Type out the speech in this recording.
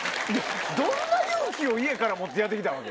どんな勇気を家から持ってやって来たわけ？